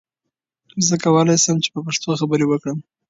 زه کولی سم چې په پښتو خبرې وکړم.